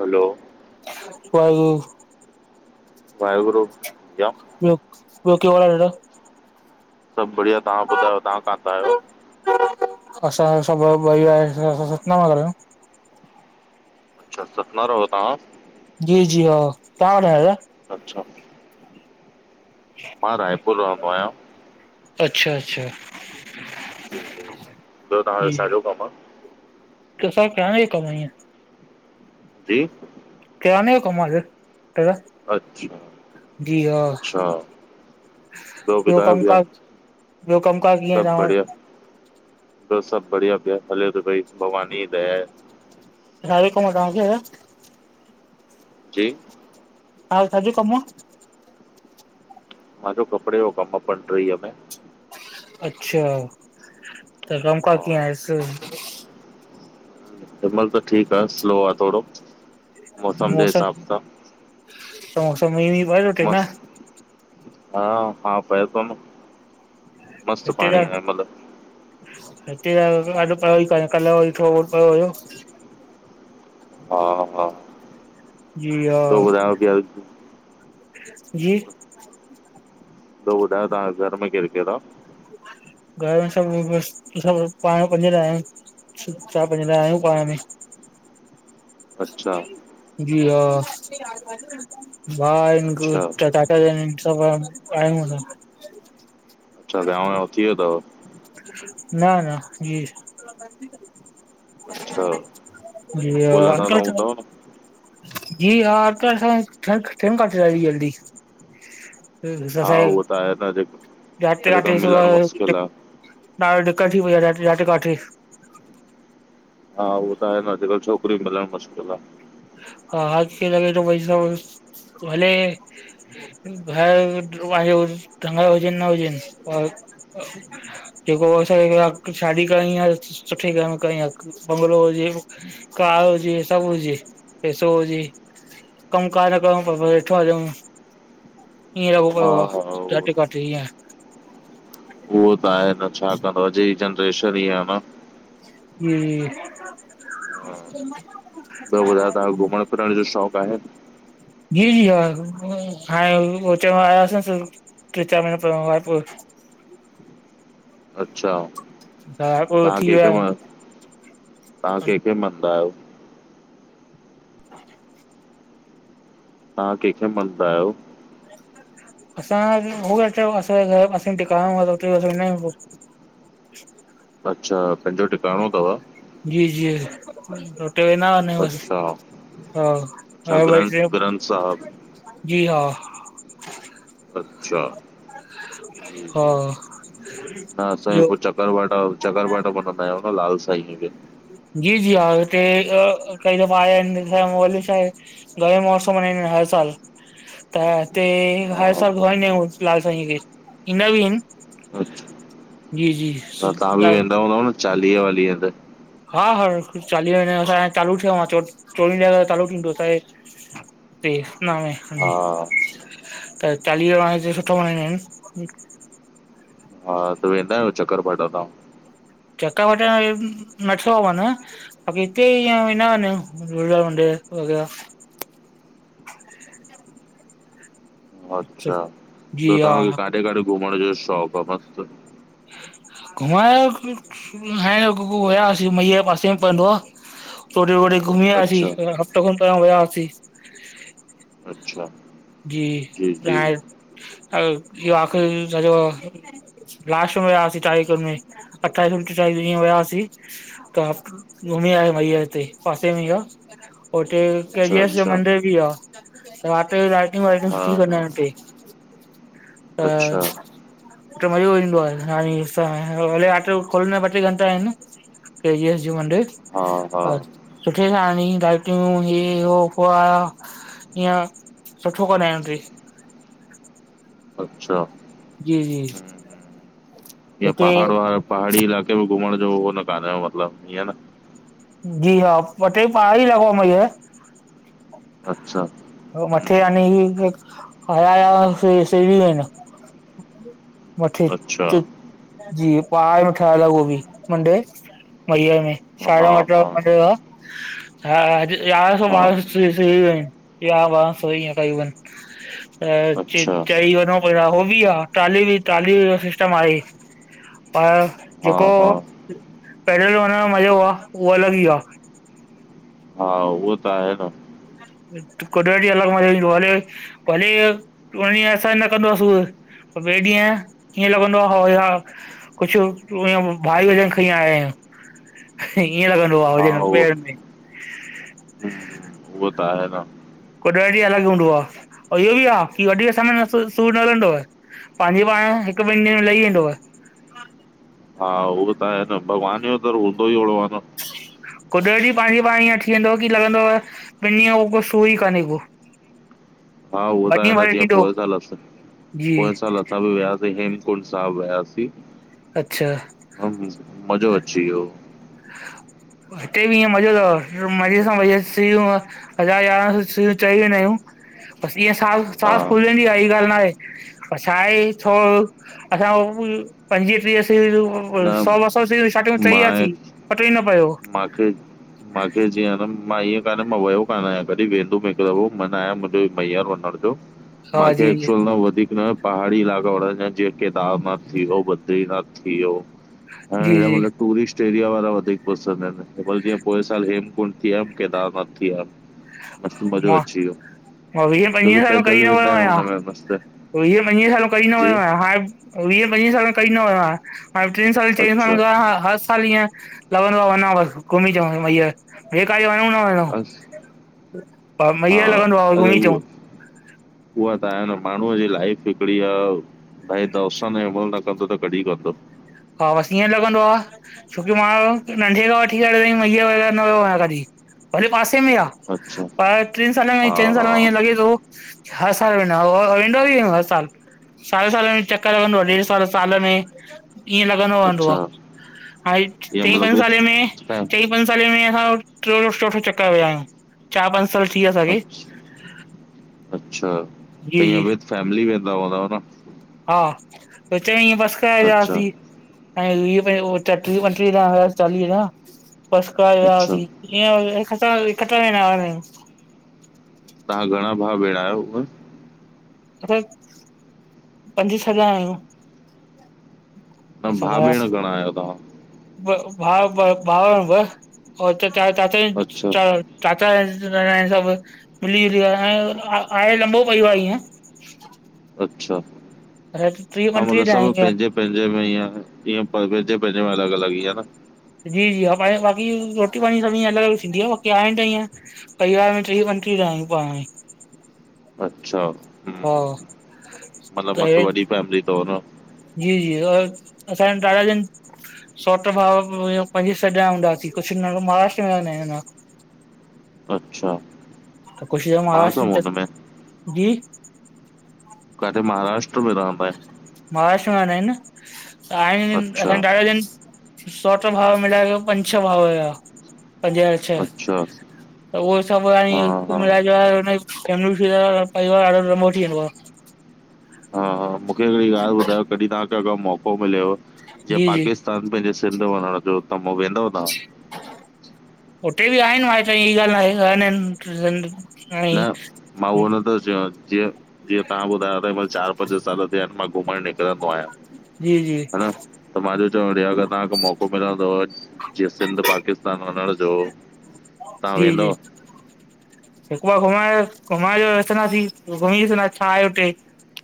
हलों वाहेगुरु वाहेगुरु ॾयाव ॿयो ॿयो केॾो हाल आ दादा सब बढ़िया तांहा बुधायो तांहा काथा आयो। असां सफ़ा ॿई आयास असा, असां सतना मा रहययूं। अच्छा सतना रहो तहां। जी-जी हा ता बुधायों दादा। अच्छा मां रायपुर रहंदो आयां। अच्छा-अच्छा जी, जी ब्यो तहांयों छाजों कम आ। प्रोफ़िट आहे कमाई! जीअ किराने यों कम आहे तुओ। अछीं अच्छा ब्यों ॿियो बुधाओ कमु भैया काज ॿियो कमु काज कीअं आहे सब तव्हां वटि? बढ़िया। ॿयो सब बढ़िया भेया हलें तो भई भगवान ई दया आहे। तारिकू असां केय। जी हां छाज़ो कम् होअ। मां जो कपड़े यो कम् आ पंट्रिंअ में। अच्छा त कमकार हा कीअं आहे स हिम्मल त ठीक आ स्लों आ थोड़ो। मौस् त मौसम ईअ इ मस्त हा-हा पये तो न्। हिक्क हज़ार हिते त अॼ पयो ही काने कल वरी थोड़ो बहोत पयो हुयो। हां-हां जी हा ॿियो जी ॿयो बुधायो तहां घर में केर केर आ। घर में समझ बस सभ पाण में पंज जेॾा आहयू। चुपचाप वेहंदा आहयूं पाण में। अच्छा जी हा, वाहिगुरू अच्छा चटक [unintelligible] अच्छा वियांव थी वय तव न न जी अच्छा जीअं ॻोल्हंदा त अंकल चवन हूंदव न? जी हा तहे कमु काथे आ जल्दी हा उहो त आहे न जेको अॼुकल्ह मिलणु मुश्किल [unintelligible] आ। न दिक्क़त थी पई आ जाते काथे हा उहो त आहे अॼुकल्हु छोकिरी मिलणु मुश्किल आ। हा हाथ लॻे थो पैसा हले। बहे लोह आयो टंगिर हुजनि न हुजे जेको असांखे शादी करणी आहे, सुठे घरु में करणी आहे। बंगलो हुजे, कार हुजे, सभु हुजे। पैसो हुजे, कमु कार न कयूं पर वेठा हुजऊ ईअं रॻो हा पियो आ, हा उहो जाते काते इएंं उहो त आहे न छा कंदो, अॼु जी जनरेशन ई आहे न ए बुधायो तां घुमणु फिरणु जो शौक़ आहे। जी जी, हा हाणे अचणु वारासेस ट्रे, चार महीना पंहिरो [unintelligible] अच्छा रायपुर तां थी विया केखे आहियूं मन, तां केंखे मंदा आयो। [inaudible] तां केंखे मनदा आयो। असां जो गुरु अचणो हो असां जे घरु मथे टिकाणन पो अच्छा, पहिंजो टिकाणो तव जी जी, हुते हे न अच्छा हा, अच्छा हा भाई ग्रंथ चउ ग्रंथ साहिब जी हा अचछा, हा जी हा जी, साईं ॿियो पुछप चकरबाटा, चकरबाटा मनंदा आहियूं न लाल साईंअ खें। जी जी, हा हिते त कई दफ़ा आया आहिन, ॾिसण माहोल ईं छा आहे? गर्मीय मौसम आहिन, हर साल त इते हर हा साल घुराइंदा आहियूं लाल साईंअ खें ईंदा बि हिन जी जी सु ह तां बि ॾा वेंदा हुंदव, न चालीहे-वालीये ते हा हा, चालीह असां जो चालू थियों आ, चोवीह खां चालू थींदो शाइद देखना हैं हा हमें त चालीयो हाणे इते सुठो मनाईंदा अहिन। हा त वेंदा आहियो चकरभाटा तां चकरभाटा ई नथो वञणु अभी हिते इये वेदां हियं न झूलेलाल मंदिर वगैरा तव्हां अच्छा जी ॿियो हा तांखे काॾे-काॾे घुमणु जो शोक़ु आ मस्तु घुमणु, कुझु खाइण वियासीं मइयंर जे पासे में पवंदो आ होडे -वोडे घुमीं आयासीं, अच्छा हफ़्तो खनि त हुयासीं अच्छा जी आख़िर में [unintelligible] लास्ट में वियासीं कार्यक्रम में अठाईस उन्तीस तारीख में इयं वयासीं। त घुमी आया मय्यर ते पासे में ई आ उते के जी अच्छा एस जो अच्छा मंदर बि आ त रात जो लाइटिंग- वाइटिंग हा सुठी कंदा हा आहिन इते। अच्छा त उते मज़ो ईंदो आ [unintelligible] भले रात जो खोलंदा ॿ- टे घंटा आहिन। के जी एस जो मंदिर। हा हा और सुठे सां ई लाइटूं ही हो ब सुठो कंदा आहिन उते। अच्छा जी जी जीअं हिते पहाड़ हुआ पहाड़ी इलाक़े में घुमण जो उहो कान आयो मतलब ईअं न। जी हा ॿटे [unintelligible] अच्छा हू हूं, मथे हूं, वञी हवाई वधा सही आइन। मथे अच्छा, जी पहाड़ ठहियल आ ओ भी मंदिर मईय में हा, हा, हा, [inaudible] [unintelligible] इया बात सई कई हुअन त चे अच्छा, चई वञो पर हो बी आ चालीह चालीहे जो सिस्टम आहे। पर हा, जेको हा, पैदल वञण जो मज़ो आ उहो अलग ई आ। हा उहो त आहे न, कॾे बि हलणो हुजे हली अच। भली [unintelligible] ॿिए ॾींहं ईअं लॻंदो आ हाल हा कुछ ईअं भारी वजन खणी आया आयूं ईअं लॻंदो आ हा, जिअं उहो पेर में हूं, हूं, उहो त आहे न कुछ ॾ ॾींहं अलग हूंदो आ पर इहो आ कि वधीक समय में सूर न रहंदो। पांजे पाण हिक- ॿिनि ॾींहंन में लही वेंदव। हा उहो त आए न भगवान जो दर हूंदो ई ओणो आ न कुदरत ई पांजे पाण ईअं थी वेंदव कि लॻंदव ॿिन ॾींहन खां पो सूर ही काने को हा उहो ॿ त आहे ॾींहं न भले जीअं थींदो पोए त आलस जी पोए सल सभ वियासी हेमकुंड साहिब वयासीं। अच्छा अऊं मज़ो अची वियो। हिते बि ईअं मज़ो तव मज़े सां मज़ो सही हो। हज़ार यारह सौ सीढियूं चढ़ी वेंदा आयूं, ॿस ईअं हा, सास-सास फूलंदी आहे एड़ी ॻाल्ह न आहे। असांजे थो असां पंजवीह टी्ह सीढ़ियूं न सौ ॿ सौ सीढ़ियू हथ में चढ़ी वियासीं पतो ई न पयो। मांखे मांखे जीअं न मां ईअं कान मां वयो कान आयां कॾी वेंदुम हिक दफ़ो मन आहे मुंहिंजो मैयर वञण जो हा मांखे जी एक्चुअल न वधीक न पहाड़ी इलाको वणंदा आहिन जीअं केदारनाथ थी वियो ॿद्रीनाथ थी‌ वियो। हा जी हेॾा जी मतलब टूरिस्ट एरिया वारा वधीक पसंद आहेन, पर ॼीअं पोएं साल हेमकुंड थी आयम केदारनाथ थी आयम। मस्त मॼो मां अची वयो। मां वीह पंॼवीह सालो कॾी न वियो आहियां में मस्तु वीह पंजवीह सालो कॾि न जी वियो आहियां हाणे वीह पंॼवीह सालन खों कॾि न वयो आया हाणे टिन सालन चइनि सालनि अच्छा खों हाणे साल हिय लगंदो आहे वञा बसि घुमी अचा ॿे काॾे वञूं न वञउ। [inaudible] हा ईअं लॻंदो आहे अरे घुमी चउ। उहो उहा त आहे न माण्हूअ जी लाइफ़ हिकिॾी आ ऐं त उस में अमल न कंदो त कॾहिं कंदो। हा बस ईअं लॻंदो आ छोकी मां नंढे खां वठी करेई मैया वग़ैरह न वियो आहियां कॾहिं भले पासे में आ। अच्छा, पर टिन सालनि में हा, चइनि सालनि में हा, इअं लॻे थो हर साल वेंदो रां, वेंदो भी आया हर साल। साल साल में चक्कर लॻंदो आ ॾेढ अच्छा, साल साल में। ईअं लॻंदो रहंदो अच्छा आ हाणे ईअं चईं पंॼन मतिलबु विद साले में फैम चईं। पंज साले में असा ट्रयो चोथो चक्कर विया आहियूं चार पंज साल थी विया असांखे। अच्छ अच्छा त जी ईय जी विथ फैमली वेंदा हूंदाव न? हा त चईअ ई बस कराए अच्छा, वियासीं। ऐं पहंजो पंटीहया चालीह बस कराए वया अच्छा सीं। [unintelligible] तव्हां घणा भा भेण आहियो कुल? असा पंॼ छह ॼणा आहियूं। न असां भाउ बस भेण घणा आहियो तव्हां? ॿ भावर ॿ भावर। ओर हुते चाचा जिन अच्छा, चार। चाचा सभ मिली ॼुलि करे आहे आहे लंॿो परिवार इअ। [inaudible] अच्छा ऐ टिय पंट्रीह ॼॾा ईय। पंहिंॼे में ईअ ईअं पंहिंॼे पंहिॼे में अलॻ अलॻ ई न। जी जी हा ॿाक़ी रोटी पाणी सभिनी जी अलॻ अलॻ थींदी आहे ॿाक़ी आहिन त ईअं परिवार में ट्रीय पंट्रीय ॼड़आ आयूं पाण में। अच्छा हा मतलब मस्त वॾी फैमिली तव न? ॼी ॼीऔ असांॼा दादा ॼन। सौट् भा पॼी सॼा हूंदासीं, कुछ त महाराष्ट्र में रंहदा आहियूं। अचछा कुछ त महाराष्ट्र जी काॾे महाराष्ट्र में रहंदा आहिन? महाराष्ट्र में रहंदा आहिन न काॾे अच्छा, असांजे ॾाढा जन सौट भाऊ मिलाए करे पंॼ छह भाऊ हुया पंज अच्छा उह सभ आए हा, हा मिलाए ॼुलाए करे परिवार ॾाढों लम्बो थी वेंदो आ। हा, हा, मूंखे हिकड़ी ॻाल्हि ॿुधायो कॾहिं तव्हांखे अगर मौको मिलेव जे जी जी पाकिस तान पंहिंजे सिंध वञण जो त वेंदव तव्हां। न, [unintelligible] मां उहो नथो चवा जीअ जीअं तव्हां ॿुधायो त चार पंज साल थया मां घुमण निकिरंदो आहियां। जी, जी। हा न त मां जो चवण इहो आहे अगर [unintelligible] जीअं सिंध पाकिस्तान वञण जो तव्हां जी, जी [inaudible] हिकु ॿार घुमनआयो घुम आयो जो अचंदासी घुमी डिसंदा छा आहे हुते।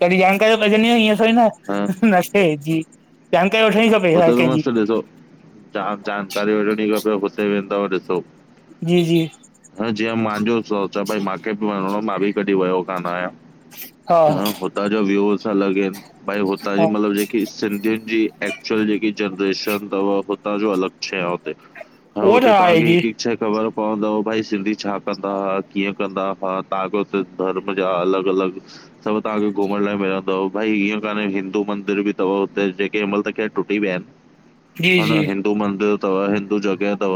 तॾहिं जानकारी त पजनि न इअं थोदे हां, न नस्ते जी। जानकारी वठणी खपे हर कंहिंजी। डिठो जाम जानकारी वठणी खपेव हुते, वेंदव ॾिसो जी, जी। ह जीअं मांजो सोच आ पै मार्केट मा हलणो, मां बि कॾहिं वयो कान आयां। हा हुता जा व्यूस अलॻहिन, भई हुता हि हा मतलब जेके सिंधियुन जी एक्चुअल जेकी जनरेशन थव, हुता जो अलॻ छें हुते ह उहो त हुते आहे तांखे जी, हिकु हिकु शय ख़बर पवंदो भई सिंधी छा कंदा कीअं कंदा त आ तां खे उते धर्म जा अलॻ अलॻ। सब तांखे घुमण लाइ मिलंदव भाई ईअं कान्हे हिंदू मंदिर बि थव हुते जे के मल त के। टुटी वियाहिन जी हा जी, न हिंदू मंदर थव हिंदू जगह थव।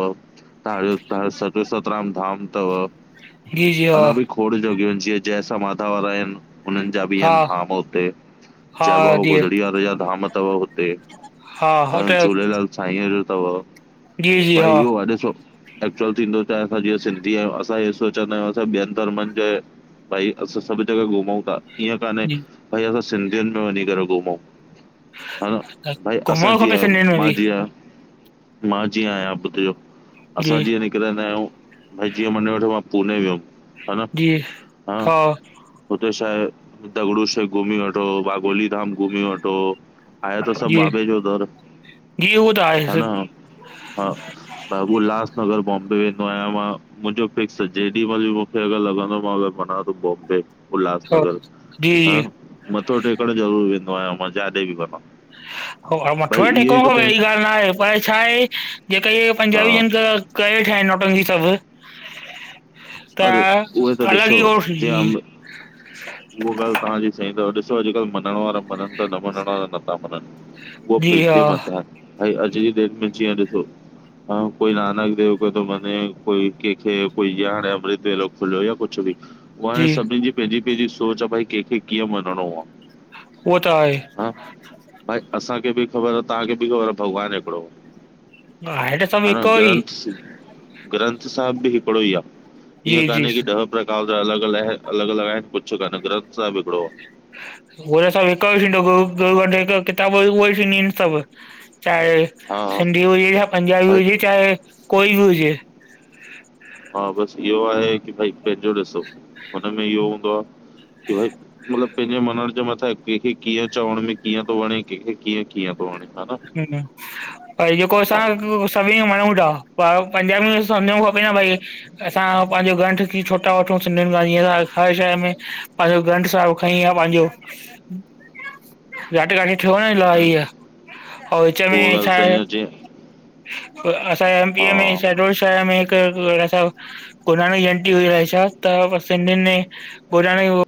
अंहे पाण सत सतराम धाम थव, जी जी हा, अञा बि खोड़ जगियूंहिन जिंय जयसा माता वारा आहिन। हुनन जा हा बियन धाम हुते, जय हा बाबा जी, गोदड़ी यारे यां धाम थव हुते। हा हो हान त झूलेलाल साईंअ जो तव जी जी हा, भाई इहो वड़े छो। एक्चुअल थींदो छाहे असां जीअं सिंधी आहियूं असां इ सोचंदा आहियूं असां ॿियन धर्मंजे। भई असां सभीजॻह घुमौ था, ईअं कान्हे जी भई असां सिंधियुन में वञी करे घुमौ। [inaudible] भाई असां घुमणु खपे जीय, सिंधियुनि में मां बि, जीय मां जीअंहीया पुठयो जी असां जीअं निकरंदा आहियूं भाई जीअं मन वठो मां पूने वयम। हा न, जी हा! हुते छा हे दगूड़ू शेख घुमी वठो, बागोली धाम घुमी वठो। आए त सब जी माँ पीय जो घर। जी उहो त हा न, आहे, हा! बाबू उल्हासनगर बॉम्बे वेंदो आहियां मां। मुंजो फिक्स आ जेॾीमल मूंखे अगर लॻंदो मां वञा तो बॉम्बे। हा उल्हासनगर। जी हां, जी मथो टेकण ज़रूरु वेंदो आहियां मां जाॾे बि वञा। हौ हौ भई मथो इहो टेको ई थो पए ऐहिड़ी ॻाल् नाए, पर छा आहे जेके इय हा पंजाबी ॼन त। कय ठायन पर हि सबु ता अरे उहे त हालाकी हो। उओ ॻाल् तांजी सही थव, ॾिसो अॼकल्ह मञण वारा मञनता, न मञण वारा नथा मञन। उअ जी हा, पेंजे मथां आ, भई अॼु जी डेट में जीअं ॾिसो। हर कोई नानक देव खे तो मने, कोई केंखे कोई यान। अमृतवेलो खुलियो कुछ बि, उअ हाणे जी सभनीनजी पेंजी पेंजी सोच आहे भई केंखे कीअं मञणो वा। उओ त आहे। हा भाई असांखे बि ख़बर आ तांखे बि ख़बर आ भॻवान हिकड़ो हो। आहे त सभु हन हिक ई, ग्रंथ ग्रंथ साहब बि हिकडो ही आ। जी ईअं कान् जी हे की ॾह प्रकार जा अलॻ अलॻ आहे अलॻ अलॻ आहिन कुछ कानहे ग्रंथ साहब हिकड़ो हो। उह त सभ हिक ही थींदो उहे ईक वने किताबयूं वेसे निड़ थव। चाहे हा हा सिंधी हुजे या पंजाबी भई हुजे, चाहे कोई बि हुजे। हा बस इहो आहे की भई पंहिंजो ॾिसो हुनमें इहो हूंदोआ। की भई मतलबु पंहिंजे मञण जे मथां आ कंहिंखे कीअं चवण में कीअं थो वणे कंहिंखे कीअं कीअं थो वणे ह न न न भई जेको हा असां सभिनी खे मञूं था पर पंजाबी में समझण खपे न भई असां पंहिंजो ग्रंथ की छोता वठूं सिंधियुनि खां जीअं त हर शइ में पोंजो ग्रंथ सां खई आ पांजो घाटकानी थियो आ न ईए पो विच उहा में ॻाल्हि छा सही आहे? जीअं असांजे एमपीअ में हा शहडोल शहर में हिकु असां गुरुनानक जयंती हुई आहे छा त सिंधियुनि में गुरुनानक